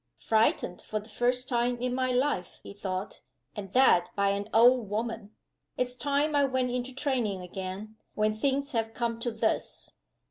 "Frightened for the first time in my life," he thought "and that by an old woman! It's time I went into training again, when things have come to this!"